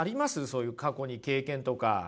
そういう過去に経験とか。